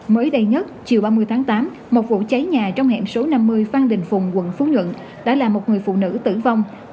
mới đây nhất chiều ba mươi tháng tám một vụ cháy nhà trong hẻm số năm mươi phan đình phùng quận phú nhuận đã làm một người phụ nữ tử vong